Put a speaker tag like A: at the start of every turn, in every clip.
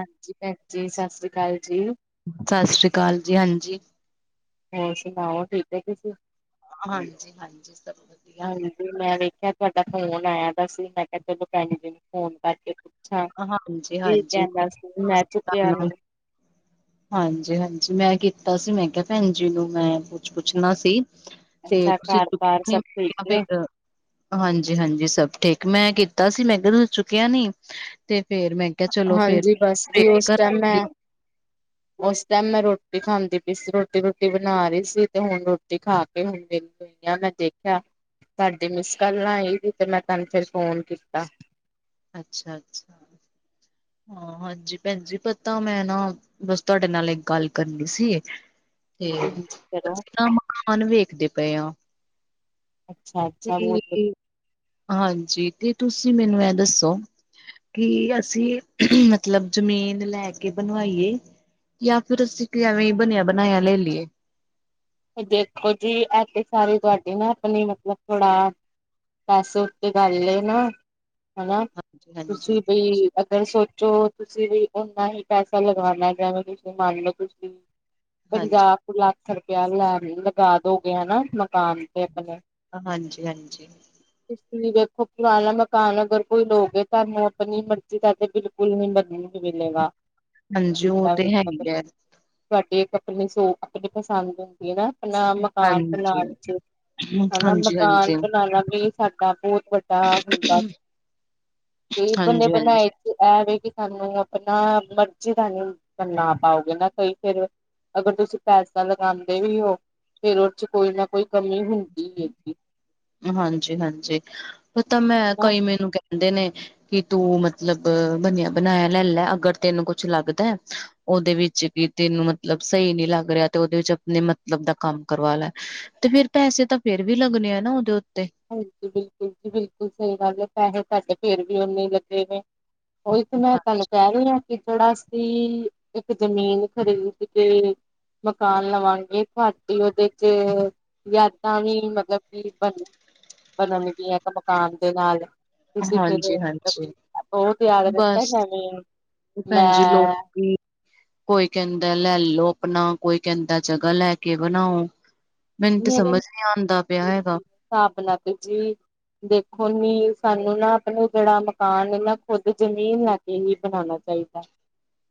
A: ਹਾਂਜੀ ਭੈਣ ਜੀ, ਸਸ ਸ੍ਰੀ ਕਾਲ ਜੀ।
B: ਸਸ ਸ੍ਰੀ ਕਾਲ ਜੀ, ਹਾਂਜੀ।
A: ਹੋਰ ਸੁਣਾਔ, ਠੀਕ ਔ ਤੁਸੀ?
B: ਹਾਂਜੀ, ਹਾਂਜੀ ਸਭ ਵਧੀਆ।
A: ਹਾਂਜੀ ਮੈਂ ਵੇਖਿਆ ਤੁਆਡਾ ਫੋਨ ਆਇਆ ਦਾ ਸੀ ਮੈਂ ਕਿਆ ਚਲੋ ਭੈਣੀ ਜੀ ਨੂੰ ਫੋਨ ਕਰਕੇ ਪੁੱਛਾਂ
B: ਹਾਂਜੀ
A: ਕੀ
B: ਹਾਂਜੀ ਮੈਂ
A: ਕੈਣਾ ਸੀ,
B: ਕੀਤਾ
A: ਮੈਂ ਚੁੱਕਿਆ ਨਈ।
B: ਹਾਂਜੀ-ਹਾਂਜੀ ਮੈਂ ਕੀਤਾ ਸੀ ਮੈਂ ਕਿਆ ਭੈਣ ਜੀ ਨੂੰ ਮੈਂ ਕੁਛ ਪੁੱਛਣਾ ਸੀ। ਤੇ
A: ਅੱਛਾ
B: ਤੁਸੀ
A: ਘਰ
B: ਚੁੱਕ
A: ਬਾਰ ਸਭ ਠੀਕ
B: [unintelligible]
A: ਨੇ?
B: ਫਿਰ ਹਾਂਜੀ-ਹਾਂਜੀ ਸਭ ਠੀਕ। ਮੈਂ ਕੀਤਾ ਸੀ ਮੈਂ ਕਿਆ ਤੁਸ ਚੁੱਕਿਆ ਨੀ ਤੇ ਫੇਰ ਮੈਂ ਕਿਆ ਚਲੋ ਫੇਰ
A: ਹਾਂਜੀ ਬਸ
B: [unintelligible]
A: ਮੈਂ ਔਸ ਟਾਈਮ ਮੈਂ ਰੋਟੀ ਖਾਂਦੀ ਪੀ ਸੀ। ਰੋਟੀ-ਰੁਟੀ ਬਣਾ ਰਹੀ ਸੀ ਤੇ ਹੁਣ ਰੋਟੀ ਖਾ ਕੇ ਹੁਣ ਮੈਂ ਦੇਖਿਆ ਤਾਡੀ ਮਿਸ ਕਾਲਾ ਆਈ ਦੀ ਤੇ ਮੈਂ ਤਾਨੰ ਫਿਰ ਫੋਨ ਕੀਤਾ।
B: ਅੱਛਾ-ਅੱਛਾ ਹਾਂ ਹਾਂਜੀ ਭੈਣਜੀ ਪਤਾ ਮੈਂ ਨਾ ਬਸ ਤੁਹਾਡੇ ਨਾਲ ਇੱਕ ਗੱਲ ਕਰਨੀ ਸੀ ਤੇ
A: ਹਾਂਜੀ ਹਾਂਜੀ ਕਰੋ
B: ਕਾਨ ਵੇਖਦੇ ਪਏ ਆ।
A: ਅੱਛਾ ਅੱਛਾ
B: ਤੇ
A: ਬਹੁਤ ਵਧੀਆ
B: ਹਾਂਜੀ ਤੇ ਤੁਸੀ ਮੈਨੂੰ ਇਹ ਦੱਸੋ ਕਿ ਅਸੀ ਮਤਲਬ ਜ਼ਮੀਨ ਲੈ ਕੇ ਬਣਵਾਈਏ ਯਾ ਫਿਰ ਅਸੀ ਕਿ ਆਵੇ ਬਣਿਆ ਬਣਾਇਆ ਲੈ ਲਈਏ।
A: ਦੇਖੋ ਜੀ ਇਥੇ ਸਾਰੀ ਤੁਹਾਡੀ ਨਾ ਆਪਣੀ ਮਤਲਬ ਥੋੜਾ ਪੈਸੇ ਉੱਤੇ ਗੱਲ ਲਏ ਨਾ ਹਨਾ
B: ਹਾਂਜੀ ਹਾਂਜੀ
A: ਤੁਸੀਂ ਬਈ ਅਗਰ ਸੋਚੋ ਤੁਸੀ ਵੀ ਓਨਾ ਹੀ ਪੈਸਾ ਲਗਉਣਾ ਜਿਵੇਂ ਤੁਸੀਂ ਮੰਨ ਲਓ ਤੁਸੀ
B: ਹਾਂਜੀ
A: ਪੰਜਾ ਕੁ ਲੱਖ ਰੁਪਇਆ ਲਗਾ ਦੋਗੇ ਹਨਾ ਮਕਾਨ ਤੇ ਆਪਣੇ।
B: ਹਾਂਜੀ-ਹਾਂਜੀ
A: ਤੁਸੀ ਵੀ ਵੇਖੋ ਪੁਰਾਣਾ ਮਕਾਨ ਅਗਰ ਕੋਈ ਲੋਗੇ ਤੁਹਾਨੂੰ ਆਪਣੀ ਮਰਜ਼ੀ ਦਾ ਤੇ ਬਿਲ [unintelligible] ਮਿਲੇਗਾ।
B: ਹਾਂਜੀ ਉਹ ਤੇ ਹੈ ਹੀ ਹੈ
A: [unintelligible] ਆਪਣੇ ਪਸੰਦ ਨਾ ਆਪਣਾ ਮਕਾਨ
B: ਹਾਂਜੀ
A: ਬਣਾਣ ਚ, ਹਨਾ
B: ਹਾਂਜੀ ਹਾਂਜੀ
A: ਮਕਾਨ
B: ਹਾਂਜੀ
A: ਬਣਾਣਾ ਵੀ ਸਾਡਾ ਬਹੁਤ ਵੱਡਾ ਹੁੰਦਾ ਤੇ ਬੰਨੇ
B: ਹਾਂਜੀ
A: ਬਣਾਏ ਤੇ ਇਹ ਵੀ ਕਿ ਤਾਨੂੰ ਆਪਣਾ ਮਰਜ਼ੀ ਦਾ ਨਹੀ ਬਨਾ ਪਾਓਗੇ ਨਾ ਕਈ ਫਿਰ ਅਗਰ ਤੁਸੀ ਪੈਸਾ ਲਗਾਉਂਦੇ ਵੀ ਹੋ ਫਿਰ ਉਹਦੇ ਚ ਕੋਈ ਨਾ ਕੋਈ ਕਮੀ ਹੁੰਦੀ ਹੈ।
B: ਹਾਂਜੀ-ਹਾਂਜੀ ਪਤਾ ਮੈਂ ਕਈ ਮੈਨੂੰ ਕਹਿੰਦੇ ਨੇ ਕਿ ਤੂੰ ਮਤਲਬ ਬਣਿਆ ਬਣਾਇਆ ਲੈਲੈ ਅਗਰ ਤੈਨੂੰ ਕੁੱਛ ਲੱਗਦਾ ਉਹਦੇ ਵਿੱਚ ਕਿ ਤੈਨੂੰ ਮਤਲਬ ਸਹੀ ਨਹੀ ਲੱਗ ਰਿਹਾ ਤੇ ਉਹਦੇ ਵਿੱਚ ਆਪਣੇ ਮਤਲਬ ਦਾ ਕੰਮ ਕਰਵਾ ਲੈ। ਤੇ ਫੇਰ ਪੈਸੇ ਤਾਂ ਫੇਰ ਵੀ ਲੱਗਣੇ ਆ ਨਾ ਉਹਦੇ ਉੱਤੇ।
A: ਹਾਂਜੀ ਬਿਲਕੁਲ ਜੀ ਬਿਲਕੁਲ ਸਹੀ ਗੱਲ ਹੈ ਪੈਸੇ ਤੁਹਾਡੇ ਫੇਰ ਵੀ ਓਨੇ ਲੱਗੇ ਨੇ। ਉਹੀ ਤਾਂ ਮੈਂ ਤਾਂਨੁ ਕਹ ਰੀ ਹਾਂ ਕਿ ਜਿਹੜਾ ਅਸੀ ਇੱਕ ਜ਼ਮੀਨ ਖਰੀਦ ਕੇ ਮਕਾਨ ਲਵਾਂਗੇ ਤੁਹਾਡੀ ਉਹਦੇ ਚ ਯਾਦਾਂ ਵੀ ਮਤਲਬ ਕਿ ਬਣ ਬਣਨਗੀਆਂ ਇੱਕ ਮਕਾਨ ਦੇ ਨਾਲ। ਤੁਸੀਂ
B: ਹਾਂਜੀ ਹਾਂਜੀ ਬਸ
A: [unintelligible]
B: ਭੈਣ ਜੀ
A: ਮੈਂ
B: ਲੋਕੀ ਕੋਈ ਕਹਿੰਦਾ ਲੈਲੋ ਆਪਣਾ ਕੋਈ ਕਹਿੰਦਾ ਜਗ੍ਹਾ ਲੈ ਕੇ ਬਣਾਓ। ਮੈਨੂੰ ਤੇ
A: ਮੇਰੇ
B: ਸਮਝ ਨੀ ਆਦਾ ਪਿਆ ਹੈਗਾ।
A: [unintelligible] ਦੇਖੋ ਨੀ ਸਾਨੂੰ ਨਾ ਆਪਣੇ ਜਿਹੜਾ ਮਕਾਨ ਨੇ ਨਾ ਖੁੱਦ ਜ਼ਮੀਨ ਲੈ ਕੇ ਬਣਾਉਣਾ ਚਾਹੀਦਾ।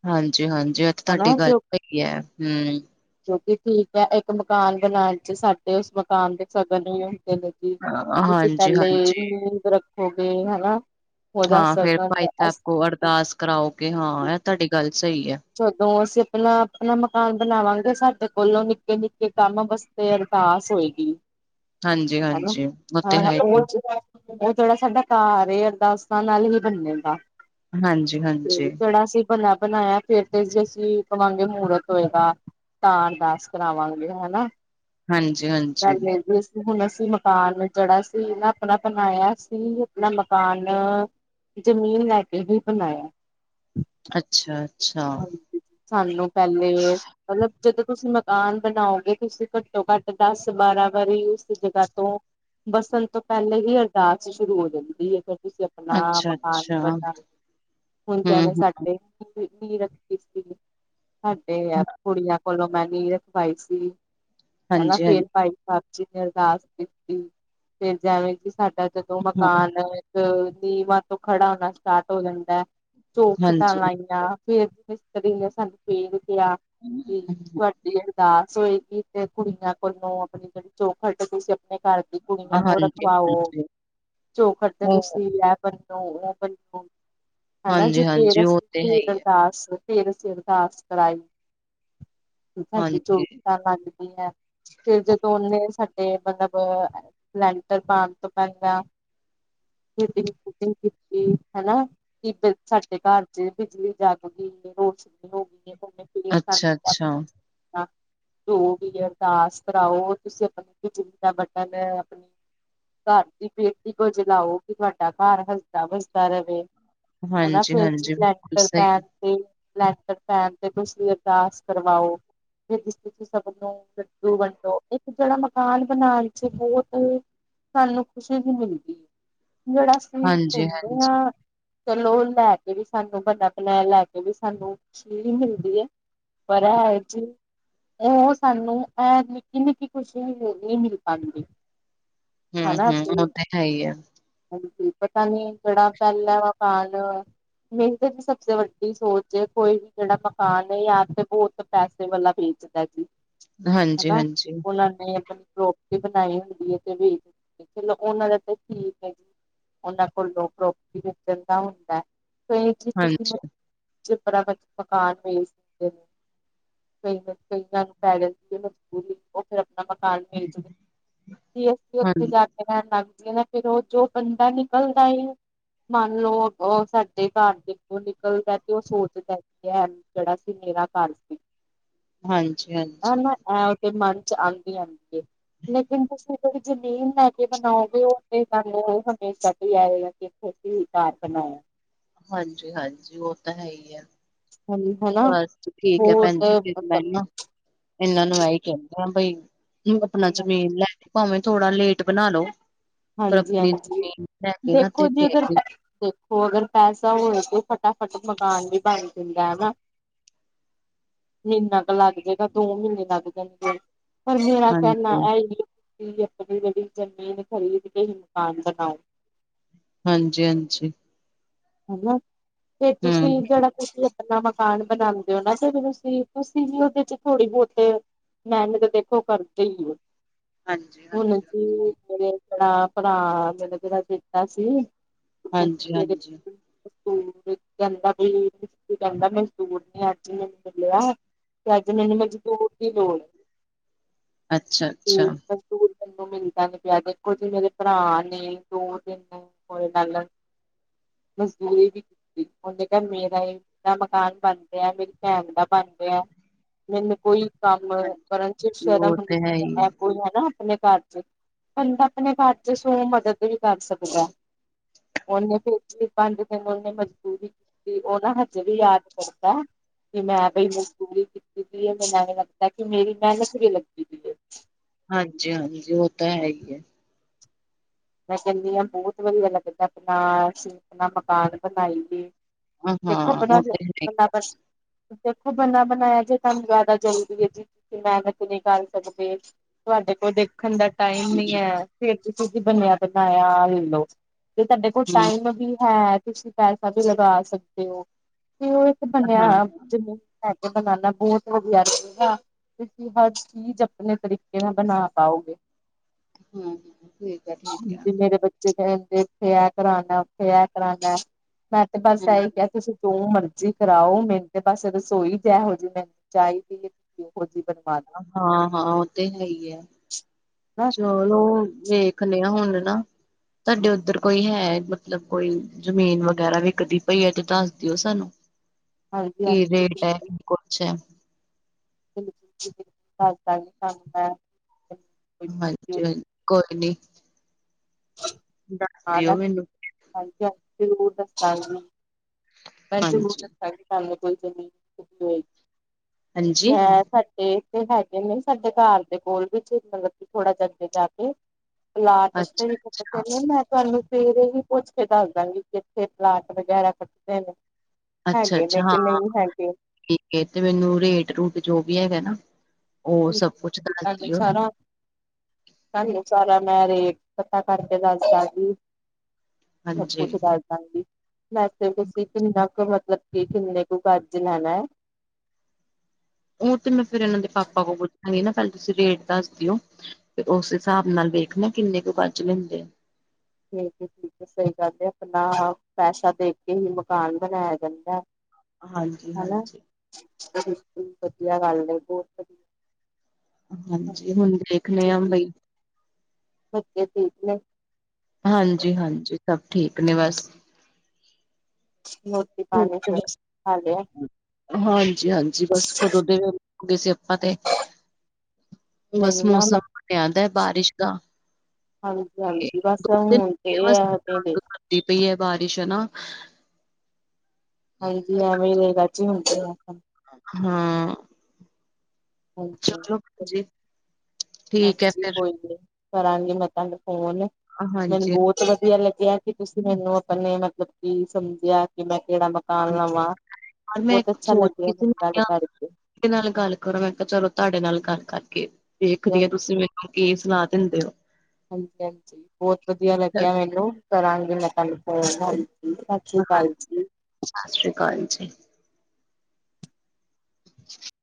B: ਹਾਂਜੀ-ਹਾਂਜੀ ਏਹ ਤੇ ਤੁਹਾਡੀ
A: ਹਨਾ
B: ਗੱਲ ਸਹੀ ਹੈ ਹੁ।
A: ਕਿਉਕਿ ਠੀਕ ਹੈ ਇੱਕ ਮਕਾਨ ਬਣਾਉਣ ਚ ਸਾਡੇ ਉਸ ਮਕਾਨ ਦੇ ਸਗਨ ਵੀ ਹੁੰਦੇ ਨੇ। ਤੁਸੀਂ
B: ਹਾਂਜੀ
A: ਪਹਿਲੇ
B: ਹਾਂਜੀ
A: ਮ [unintelligible] ਰੱਖੋਗੇ ਹੈਨਾ।
B: ਹਾਂ ਫੇਰ ਭਾਈ ਸਾਹਿਬ ਕੋ ਅਰਦਾਸ ਕਰਾਓਗੇ ਹਾਂ ਐ ਤੁਹਾਡੀ ਗੱਲ ਸਹੀ ਹੈ।
A: ਜਦੋਂ ਅਸੀ ਆਪਣਾ-ਆਪਣਾ ਮਕਾਨ ਬਣਾਵਾਂਗੇ ਤੇ ਸਾਡੇ ਕੋਲੋਂ ਨਿੱਕੇ-ਨਿੱਕੇ ਕੰਮ ਬਸ ਤੇ ਅਰਦਾਸ ਹੋਏਗੀ
B: ਹਾਂਜੀ
A: ਹੈਨਾ
B: ਹਾਂਜੀ ਉਹ ਤੇ
A: ਹਾਂ
B: ਹੈ
A: ਉਹ
B: ਹੀ
A: ਚ ਉਹ ਜਿਹੜਾ ਸਾਡਾ ਘਰ ਏ ਅਰਦਾਸਾਂ ਨਾਲ ਹੀ ਬੰਨੇਗਾ।
B: ਹਾਂਜੀ
A: ਤੇ
B: ਹਾਂਜੀ
A: ਜਿਹੜਾ ਸੀ ਬਣਿਆ ਬਣਾਇਆ ਫਿਰ ਤੇ ਜੇ ਅਸੀ ਕਵਾਂਗੇ ਮਹੂਰਤ ਹੋਏਗਾ ਤਾਂ ਅਰਦਾਸ ਕਰਾਵਾਂਗੇ ਹੈਨਾ।
B: ਹਾਂਜੀ ਹਾਂਜੀ
A: [unintelligible] ਹੁਣ ਅਸੀ ਮਕਾਨ ਜੜਾ ਸੀ ਇਹ ਆਪਣਾ ਬਣਾਇਆ ਸੀ ਆਪਣਾ ਮਕਾਨ ਜ਼ਮੀਨ ਲੈ ਕੇ ਹੀ ਬਣਾਇਆ।
B: ਅੱਛਾ-ਅੱਛਾ
A: ਹਾਂਜੀ ਸਾਨੂੰ ਪਹਿਲੇ ਮਤਲਬ ਜਦੋਂ ਤੁਸੀਂ ਮਕਾਨ ਬਣਾਓਗੇ ਤੁਸੀਂ ਘੱਟੋ ਘੱਟ ਦਸ ਬਾਰਾਂ ਵਾਰੀ ਉਸ ਜਗ੍ਹਾ ਤੋਂ ਵਸਨ ਤੋ ਪੈਲੇ ਵੀ ਅਰਦਾਸ ਸ਼ੁਰੂ ਹੋ ਜਾਂਦੀ ਫੇਰ ਤੁਸੀ ਨਾਮ
B: ਅੱਛਾ
A: ਮਕਾਨ
B: ਅੱਛਾ
A: ਬਨਾ, ਹੁਨ ਜੈਵੇਂ
B: ਹਮ
A: ਸਾਡੇ [unintelligible] ਨੀਂਹ ਰੱਖੀ ਸੀ, ਸਾਡੇ
B: ਹਮ
A: ਕੁੜੀਆਂ ਕੋਲੋਂ ਮੈ ਨੀ ਰਖਵਾਈ ਸੀ, ਹੈਨਾ
B: ਹਾਂਜੀ ਹਾਂਜੀ
A: ਫੇਰ ਭਾਈ ਸਾਬ ਜੀ ਨੇ ਅਰਦਾਸ ਕੀਤੀ, ਫੇਰ ਜੈਵੇਂ ਕਿ ਸਾਡਾ ਜਦੋਂ
B: ਹਾਂ
A: ਮਕਾਨ ਅ ਨੀਵਾਂ ਤੋਂ ਖੜਾ ਹੋਣਾ ਸਟਾਟ ਹੋ ਜਾਂਦਾ, ਚੋਖਟਾਂ
B: ਹਾਂਜੀ
A: ਲਾਈਆਂ ਫੇਰ ਮੀਸੱਤਰੀ ਸਾਨੂੰ ਫੇਰ ਕੇਆ [unintelligible] ਦੀ ਅਰਦਾਸ ਹੋਏਗੀ, ਤੇ ਕੁੜੀਆਂ ਕੋਲੋਂ ਆਪਨੀ ਜੇੜੀ ਚੋਖਟ ਏ ਤੁਸੀਂ ਆਪਨੇ ਘਾੱਰ ਦੀ ਕੁੜੀਆਂ ਕੋਲ
B: ਹਾਂਜੀ
A: ਰਖਵਾਓ,
B: ਹਾਂਜੀ
A: ਚੋਖਟ ਤੇ
B: ਉਹ
A: ਤੁਸੀ ਲੈ ਬੰਨੋ ਓ ਬੰਨੋ, ਹੈਨਾ ਜੀ
B: ਹਾਂਜੀ
A: ਫੇਰ
B: ਹਾਂਜੀ ਉਹ
A: ਅਸੀ
B: ਤੇ ਹੈ ਹੀ
A: [unintelligible]
B: ਹੈ
A: ਬਸ ਫੇਰ ਅਸੀ ਅਰਦਾਸ ਕਰਾਈ, ਸਾਡੀ
B: ਹਾਂਜੀ
A: [unintelligible] [unintelligible] ਫੇਰ ਜਦੋ ਓਨੇ ਸਾਡੇ ਮਤਲਬ ਲੈਂਟਰ ਪਾਨ ਤੋ ਪੈਲਾਂ [unintelligible] ਹੈਨਾ, ਕਿ ਬੀਲ ਸਾਡੇ ਘਾੱਰ ਚ ਬਿਜਲੀ ਜਾੱਗ ਗੀ ਏ ਰੋਸ਼ਨੀ ਹੋਗੀ ਏ
B: ਅੱਛਾ ਅੱਛਾ
A: [unintelligible] [unintelligible] ਜੋ ਵੀ ਅਰਦਾਸ ਕਰਾਓ ਤੁਸੀ ਅਪਨੀ ਬਿਜਲੀ ਦਾ ਬਟਨ ਅਪਨੀ ਘਾੱਰ ਦੀ ਬੇਟੀ [unintelligible] ਤੋਆਡਾ ਘਾੱਰ ਹੱਸਦਾ ਵੱਸਦਾ ਰਵੇ। ਹੈਨਾ
B: ਹਾਂਜੀ
A: ਫੇਰ
B: ਹਾਂਜੀ ਬਿਲਕੁਲ
A: ਲੈਂਟਰ ਪੈਨ
B: ਸਹੀ
A: ਤੇ ਲੈਂਟਰ ਪੈਨ ਤੇ ਤੁਸੀ ਅਰਦਾਸ ਕਰਵਾਓ, ਫਿਰ ਤੁਸੀ ਸਭ ਨੂੰ ਲੱਡੂ ਵੰਡੋ, ਇੱਕ ਜੇੜਾ ਮਕਾਨ ਬਨਾਨ ਚ ਬੋਤ ਸਾਨੂੰ ਖੁਸ਼ੀ ਵੀ ਮਿਲਦੀ ਐ। ਜੇੜਾ ਸ
B: ਹਾਂਜੀ, ਹਾਂਜੀ।
A: ਤੇ ਚਲੋ ਲੈ ਕੇ ਵੀ ਸਾਨੂੰ ਬਨਾ ਬਨਾਏਆ ਲੈ ਕੇ ਵੀ ਸਾਨੂੰ ਖੁਸ਼ੀ ਮਿਲਦੀ ਐ। [unintelligible] ਓ ਸਾਨੂੰ ਐ ਨਿੱਕੀ, ਨਿੱਕੀ ਖੁਸ਼ੀ ਵੀ ਨੀ ਮਿਲ ਪਾਂਦੀ।
B: ਹੂੰ, ਹੂੰ, ਓਤੇ ਹੈਈ ਐ।
A: ਹਾਂਜੀ, ਪਤਾ ਨੀ ਕੇੜਾ ਪੈਲਾ ਵਕਾਲ ਮੇਹਨਤ ਸਬਸੇ ਵੱਡੀ ਸੋਚ ਏ, ਕੋਈ ਵੀ ਜੇੜਾ ਮਕਾਨ ਏ, ਯਾ ਤੇ ਬੋਤ ਪੈਸੇ ਵਾਲਾ ਵੇਚਦਾ ਜੀ,
B: ਹਾਂਜੀ
A: ਹੈਨਾ
B: ਹਾਂਜੀ
A: ਓਨਾਂ ਨੇ [unintelligible] ਬਨਾਈ ਹੁੰਦੀ ਏ ਤੇ ਬਈ, ਚਲੋ ਓਨਾਂ ਦਾ ਤੇ ਠੀਕ ਓਨਾਂ ਕੋਲੋਂ ਪ੍ਰੋਪਟੀ ਵੇਚਨ ਦਾ ਹੁੰਦਾ, ਕਈ ਚੀਜ ਕਿਸੇ ਨੂੰ
B: ਹਾਂਜੀ
A: ਚਿਪੜਾ ਵੇਚ ਮਕਾਨ ਵੇਚ ਸਕਦੇ ਨੇ ਕਈ, ਕਈਆਂ ਨੂੰ ਪੈ ਜਾਂਦੀ ਏ ਮਜ਼ਬੂਰੀ ਓ ਫੇਰ ਆਪਨਾ ਮਕਾਨ ਵੇਚ ਦੇ, ਤੇ ਅਸੀ
B: ਹਾਂ
A: ਉੱਥੇ ਜਾ ਕੇ ਰੈਨ ਲੱਗ ਜਈਯੇ ਫੇਰ ਓ ਜੋ ਬੰਦਾ ਨਿਕਲਦਾ ਈ ਮਾੰਨਲੋ ਓ ਸਾਡੇ ਘਾੱਰ ਦੇ ਅਗੋਂ ਨਿਕਲਦਾ ਤੇ ਓ ਸੋਚਦਾ [unintelligible] ਜੇੜਾ ਸੀ ਮੇਰਾ ਘਾੱਰ ਸੀ,
B: ਹਾਂਜੀ ਹਾਂਜੀ
A: ਏਨਾ ਐ ਤੇ ਮਨ ਚ ਆਂਦੀ, ਆਂਦੀ ਏ, ਲੇਕਿਨ ਤੁਸੀ ਜੇੜੀ ਜ਼ਮੀਨ ਲੈਕੇ ਬਨਾਓਗੇ ਓ ਤੇ ਸਾਨੂੰ ਓ ਹਮੇਸ਼ਾ ਤੇ ਆਏਗਾ, ਕਿ ਖੋਦੀ ਹੋਈ ਘਾੱਰ ਬਨਾਯਾ
B: ਹਾਂਜੀ, ਹਾਂਜੀ, ਓ ਤਾ ਹੈਈ ਐ।
A: ਹਾਂਜੀ ਹਨਾ
B: ਬਾੱਸ ਠੀਕ ਐ
A: ਹੋਰ
B: ਪੈਂਜੀ ਫੇਰ ਮੈਨ
A: ਮਤਲਬ
B: ਨਾ, ਏਨਾਂ ਨੂੰ ਐਈ ਕੈ ਬਈ, ਆਪਨਾ ਜ਼ਮੀਨ ਲੈਕੇ ਭਾਂਵੇਂ ਥੋੜਾ ਲੇਟ ਬਨਾਲੋ
A: ਹਾਂਜੀ, ਹਾਂਜੀ, ਦੇਖੋ
B: ਤੇ
A: ਜੀ ਅਗਰ
B: ਫੇਰ
A: ਦੇਖੋ ਅਗਰ ਪੈਸਾ ਹੋਵੇ ਤੇ ਫਟਾਫਟ ਮਕਾਨ ਵੀ ਬਨ ਜਾਂਦਾ ਹਨਾ। ਮੀਨਾ ਕੁ ਲਾੱਗ ਜੇਗਾ, ਦੋ ਮੀਨੇ ਲਾੱਗ ਜਨਗੇ ਪਰ ਮੇਰਾ ਕੈਨਾ
B: ਹਾਂਜੀ,
A: ਐਈ ਏ, ਆਪਨੀ ਜੇੜੀ ਜ਼ਮੀਨ ਖਰੀਦ ਕੇ ਹੀ ਮਕਾਨ ਬਨਾਓ
B: ਹਾਂਜੀ, ਹਾਂਜੀ।
A: [unintelligible] ਤੇ
B: ਹੂੰ
A: ਤੁਸੀ ਜੇੜਾ ਤੁਸੀਂ ਆਪਣਾ ਮਕਾਨ ਬਣਾਉਂਦੇ ਔ ਨਾ, ਫੇਰ ਤੁਸੀਂ, ਤੁਸੀਂ ਵੀ ਉਹਦੇ ਚ ਥੋੜੀ ਬਹੁਤ [unintelligible] ਦੇਖੋ ਕਰਦੇ ਹੀ ਹੋ। ਹੁਣ
B: ਹਾਂਜੀ-ਹਾਂਜੀ,
A: ਜੀ, ਮੇਰੇ ਜਿਹੜਾ ਭਰਾ ਮੇਰਾ ਜਿਹੜਾ ਚਹੇਤਾ ਸੀ।
B: ਹਾਂਜੀ -ਹਾਂਜੀ।
A: ਸ ਕਹਿੰਦਾ ਵੀ, ਕਹਿੰਦਾ ਮਜ਼ਦੂਰ ਨੀ ਅੱਜ ਮੈਨੂੰ ਮਿਲਿਆ ਤੇ ਅੱਜ ਮੈਨੂੰ ਮਜ਼ਦੂਰ ਦੀ ਲੋੜ ਐ,
B: ਅੱਛਾ
A: ਤੇ
B: ਅੱਛਾ
A: ਮਜ਼ਦੂਰ ਮੈਨੂੰ ਨੂ ਮਿਲਦਾ ਨਹੀਂ ਪਿਆ, ਦੇਖੋ ਜੀ ਮੇਰੇ ਭਰਾ ਨੇ ਦੋ ਦਿਨ ਹੋਏ ਗੱਲ ਮਜ਼ਦੂਰੀ ਵੀ ਉਹਦੇ ਘਰ ਮੇਰਾ ਦਾ ਮਕਾਨ ਬਣ ਰਿਹਾ, ਮੇਰੀ ਭੈਣ ਦਾ ਬਣ ਰਿਹਾ। ਮੈਨੂੰ ਕੋਈ ਕੰਮ,
B: ਹਾਂਜੀ
A: ਕਰਨ ਚ ਸ਼ਰਮ
B: ਉਹ ਤੇ ਹੈ ਹੀ
A: ਨਹੀਂ
B: ਹੈ
A: ਕੋਈ ਹਨਾ ਆਪਣੇ ਘਰ ਚ ਬੰਦਾ, ਆਪਣੇ ਘਰ ਚ ਸੋ ਮਦਦ ਵੀ ਕਰ ਸਕਦਾ। ਉਹਨੇ ਫੇਰ ਵੀ ਪੰਜ ਦਿਨ ਉਹਨੇ ਮਜ਼ਦੂਰੀ ਕੀਤੀ, ਉਹ ਨਾ ਹਜੇ ਵੀ ਯਾਦ ਕਰਦਾ। ਕਿ ਮੈਂ ਬਈ ਮਜਦੂਰੀ ਕੀਤੀ ਦੀ ਹੈ, ਮੈਨੂੰ ਲਗਦਾ ਕਿ ਮੇਰੀ ਮਿਹਨਤ ਵੀ ਲੱਗੀ ਦੀ ਹੈ।
B: ਹਾਂਜੀ -ਹਾਂਜੀ, ਉਹ ਤਾਂ ਹੈ ਹੀ ਹੈ।
A: ਵੈਸੇ ਨਿਯਮ ਬਹੁਤ ਵਧੀਆ ਲੱਗਦਾ, ਆਪਣਾ ਅਸੀਂ ਆਪਣਾ ਮਕਾਨ ਬਣਾਈਏ।
B: ਹਾਂ ਹਾਂ ਉਹ ਤੇ ਹੈ
A: [unintelligible] ਦੇਖੋ ਬਨਾ ਬਣਾਇਆ, ਜੇ ਤੁਹਾਨੂੰ ਜ਼ਿਆਦਾ ਜ਼ਰੂਰੀ ਹੈ ਜੀ, ਤੁਸੀਂ ਮਿਹਨਤ ਨਹੀਂ ਕਰ ਸਕਦੇ। ਤੁਹਾਡੇ ਕੋਲ ਦੇਖਣ ਦਾ ਟਾਈਮ ਨੀ ਹੈ, ਫਿਰ ਤੁਸੀਂ ਜੀ ਬਣਿਆ ਬਣਾਇਆ ਲੈ ਲਉ। ਤੇ ਤੁਹਾਡੇ ਕੋਲ
B: ਹੂੰ
A: ਟਾਈਮ ਵੀ ਹੈ, ਤੁਸੀਂ ਪੈਸਾ ਵੀ ਲਗਾ ਸਕਦੇ ਹੋ? ਤੇ ਉਹ
B: ਹਾਂ-ਹਾਂ,
A: ਬਣਿਆ, ਜਮੀਨ ਲੈ ਕੇ ਬਣਾਉਣਾ, ਬਹੁਤ ਵਧੀਆ ਲੱਗੇਗਾ। ਤੁਸੀਂ ਹਰ ਚੀਜ਼, ਆਪਣੇ ਤਰੀਕੇ ਨਾਲ ਬਣਾ ਪਾਓਗੇ।
B: ਹਮ- ਹਮ।
A: ਜਿਵੇ ਮੇਰੇ ਬੱਚੇ ਕਹਿੰਦੇ, ਇਥੇ ਐ ਕਰਾਉਣਾ, ਉਥੇ ਐ ਕਰਾਉਣਾ। ਮੈਂ ਤੇ ਬਸ
B: ਹੂੰ
A: ਇਹ ਹੀ ਕਿਹਾ, ਤੁਸੀਂ ਜੋ ਮਰ ਜੋ ਮਰਜ਼ੀ ਕਰਾਓ, ਮੈਨੂੰ ਤੇ ਬਸ ਰਸੋਈ ਜ ਇਹ ਹੋ ਜਿਹੀ ਮੈਨੂੰ ਚਾਹੀਦੀ। ਹੋਰ ਜੀ ਬਣਵਾ
B: ਹਾਂ -ਹਾਂ ਉਹ ਤੇ ਹੈ ਹੀ ਹੈ
A: ਹਨਾ
B: ਚਲੋ ਵੇਖਦੇ ਆ, ਹੁਣ ਨਾ ਤਾਡੇ ਉੱਧਰ ਕੋਈ ਹੈ ਮਤਲਬ, ਕੋਈ ਜ਼ਮੀਨ ਵਗੈਰਾ ਵਿਕਦੀ ਪਈ ਹੈ ਤੇ, ਦੱਸ ਦਿਓ ਸਾਨੂੰ।
A: ਹਾਂਜੀ
B: ਕੀ
A: ਹਾਂਜੀ
B: ਰੇਟ ਹੈ,
A: ਬਿਲਕੁਲ
B: ਕੀ ਕੁਛ ਹੈ?
A: ਬਿਲਕੁਲ, ਬਿਲਕੁਲ ਦੱਸਦਾਂਗੀ ਤਾਨੂੰ ਮੈਂ।
B: ਹਾਂਜੀ ਹਾਂਜੀ, ਕੋਈ ਨੀ। ਦੱਸ ਦਿਓ ਮੈਨੂੰ
A: [unintelligible] ਮੈਂ ਜ਼ਰੂਰ
B: ਹਾਂਜੀ
A: ਦੱਸਾਂਗੀ, ਤੁਾਨੂੰ ਕੋਈ ਹੋਏਗੀ
B: ਹਾਂਜੀ
A: ਸਾਡੇ ਤੇ ਹੈਗੇ ਨੇ, ਸਾਡੇ ਘਰ ਦੇ ਕੋਲ ਵੀ, ਮਤਲਬ ਕਿ ਥੋੜਾ ਜਿਹਾ ਅੱਗੇ ਜਾ ਕੇ ਪਲਾਟ, ਉੱਥੇ
B: ਅੱਛਾ
A: ਵੀ ਸੁੱਟ ਦੇਂਦੇ ਨੇ, ਮੈਂ ਤੁਹਾਨੂੰ ਸਵੇਰੇ ਹੀ ਪੁੱਛ ਕੇ ਦੱਸਦਾਂਗੀ, ਕਿੱਥੇ ਪਲਾਟ ਵਗੈਰਾ ਕੱਟਦੇ ਨੇ।
B: ਅੱਛਾ
A: ਹੈਗੇ ਨੇ
B: ਅੱਛਾ
A: ਕੇ,
B: ਹਾਂ
A: ਨਹੀਂ ਹੈਗੇ।
B: ਠੀਕ ਤੇ ਮੈਨੂੰ ਰੇਟ -ਰੂਟ ਜੋ ਵੀ ਹੈਗਾ ਨਾ, ਓ ਸਭ ਕੁਛ ਦੱਸ ਦਿਓ।
A: ਤਾਨੂੰ ਸਾਰਿਆਂ ਦਾ ਰੇਟ, ਪਤਾ ਕਰਕੇ ਦੱਸਦਾਂਗੀ, ਸਭ
B: ਹਾਂਜੀ
A: ਕੁੱਛ ਦੱਸ ਦਾਂਗੀ ਵੈਸੇ, ਤੁਸੀਂ ਕਿੰਨਾ ਕੁ ਮਤਲਬ, ਕਿ ਕਿੰਨੇ ਕੁ ਗੱਜ ਲੈਣਾ?
B: ਓ ਤੇ ਮੈਂ ਫਿਰ ਏਨਾਂ ਦੇ ਪਾਪਾ ਕੋਲ ਪੁੱਛਾਂਗੀ ਨਾ, ਪਹਿਲੇ ਤੁਸੀਂ ਰੇਟ ਦੱਸ ਦਿਓ। ਤੇ ਉਸ ਹਿਸਾਬ ਨਾਲ ਵੇਖਣਾ, ਕਿੰਨੇ ਕੁ ਗੱਜ ਦੇਂਦੇ ਆ।
A: ਠੀਕ ਐ, ਠੀਕ ਐ, ਸਹੀ ਗੱਲ ਐ, ਆਪਣਾ ਪੈਸਾ ਦੇਖ ਕੇ ਹੀ ਮਕਾਨ ਬਣਾਇਆ ਜਾਂਦਾ। ਹਨਾ
B: ਹਾਂਜੀ-ਹਾਂਜੀ।
A: ਵਧੀਆ ਗੱਲ ਏ, ਬੋਤ ਵਧੀਆ।
B: ਹਾਂਜੀ, ਹੁਣ ਦੇਖਨੇ ਆ ਬਈ
A: ਬੱਚੇ ਠੀਕ ਨੇ?
B: ਹਾਂਜੀ-ਹਾਂਜੀ, ਸਭ ਠੀਕ ਨੇ ਬਸ
A: ਮੋਤੀ ਪਾਣੀ
B: ਬਸ
A: ਖਾ ਲਿਆ?
B: ਹਾਂਜੀ-ਹਾਂਜੀ ਬਸ ਕਦੋਂ ਦੇ [unintelligible] ਸੀ ਆਪਾਂ ਤੇ ਬਸ
A: ਮੈਨੂੰ ਨਾ
B: ਮੌਸਮ ਬਣਿਆ ਦੈ ਬਾਰਿਸ਼ ਦਾ।
A: ਹਾਂਜੀ-ਹਾਂਜੀ ਬਸ ਹੁਣ ਤੇ [unintelligible]
B: ਦੀ ਪਈ ਐ ਬਾਰਿਸ਼ ਹਨਾ।
A: ਹਾਂ ਜੀ ਐਵੇਂ [unintelligible] ਈ ਹੁੰਦੇ ਆ [unintelligible]
B: ਹੂੰ।
A: ਹਾਂਜੀ।
B: ਚਲੋ ਜੀ। ਠੀਕ ਹੈ
A: ਹਾਂਜੀ
B: ਫਿਰ
A: ਕੋਈ ਨੀ ਕਰਾਂਗੇ ਮੈਂ ਤੁਹਾਨੂੰ ਫੋਨ ਮੈਨੂੰ
B: ਹਾਂਜੀ ਹਾਂ
A: ਬੋ ਵਧੀਆ ਲੱਗਿਆ ਕਿ ਤੁਸੀਂ ਮੈਨੂੰ ਆਪਣੇ ਮਤਲਬ ਕੀ ਸਮਝਿਆ ਕੀ ਮੈਂ ਕੇੜਾ ਲਵਾਂ
B: ਮੈਂ
A: ਬੋਤ ਅੱਛਾ
B: ਸੋਚ
A: ਲੱਗਿਆ
B: ਰਹੀ ਸੀ
A: ਮੈਨੂੰ
B: ਮੈਂ
A: ਤੁਹਾਡੇ
B: ਕਿਹਾ
A: ਕਰਕੇ
B: ਨਾਲ ਗੱਲ ਕਰੋ ਮੈਂ ਕਾ ਚਲੋ ਤੁਹਾਡੇ ਨਾਲ ਗੱਲ ਕਰਕੇ ਵੇਖਦੀ ਆਂ ਤੁਸੀਂ ਮੈਂ ਕੇ ਸੁਣਾ ਦਿੰਦੇ ਓ।
A: ਹਾਂਜੀ-ਹਾਂਜੀ ਬੋਤ ਵਧੀਆ ਲੱਗਿਆ ਮੈਨੂੰ ਕਰਾਂਗੀ ਮੈਂ ਤੁਹਾਨੂੰ ਫੋਨ ਹਾਂ ਸ਼ੀ
B: ਹਾਂਜੀ
A: ਕਾਲ ਜੀ।
B: ਸਤਿ ਸ਼੍ਰੀ ਅਕਾਲ ਜੀ। [unintelligible] [unintelligible]